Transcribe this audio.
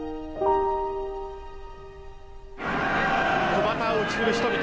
小旗を打ち振る人々。